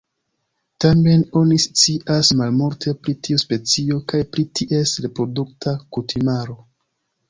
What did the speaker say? Tamen oni scias malmulte pri tiu specio kaj pri ties reprodukta kutimaro.